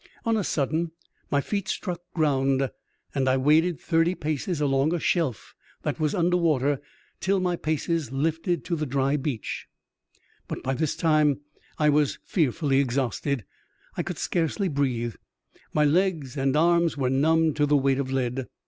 On a sudden my feet struck ground, and I waded thirty paces along a shelf that was under water, till my paces lifted to the 32 EXTBA0BDINAB7 ADVENTURE OF A CllIEF MATR dry beach. But by this time I was fearfully exhausted — I could scarcely breathe. My legs and arms were numbed to the weight of lead.